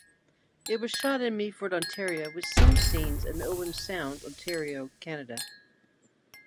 It was shot in Meaford, Ontario with some scenes in Owen Sound, Ontario, Canada.